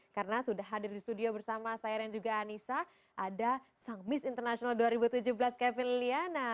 karena sudah hadir di studio bersama saya dan juga anissa ada sang miss international dua ribu tujuh belas kevin liliana